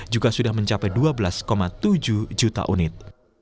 juga sudah mencapai dua belas tujuh juta unit